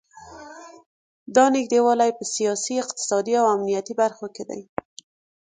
دا نږدې والی په سیاسي، اقتصادي او امنیتي برخو کې دی.